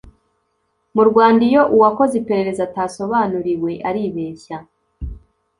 Mu Rwanda iyo uwakoze iperereza atasobanuriwe aribeshya